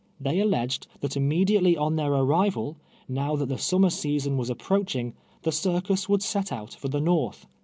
They alleged that immediately on their arrival, now that the summer season was ap proaching, the circus would set out for the north.